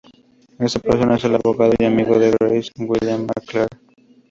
Esa persona es el abogado y amigo de Grace, William McIntyre.